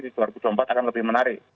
di dua ribu dua puluh empat akan lebih menarik